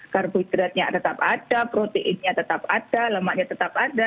karbohidratnya tetap ada proteinnya tetap ada lemaknya tetap ada